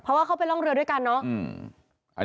เพราะว่าเข้าไปร่องเรือด้วยกันเนาะ